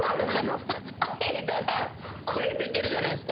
あえいだら声出てるじゃないですか。